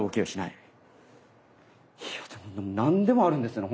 いやでも何でもあるんですね